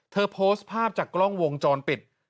โพสต์ภาพจากกล้องวงจรปิด